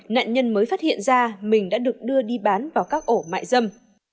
nạn nhân mới phát hiện ra mình đã được đưa đi bán vào các ổ mại dâm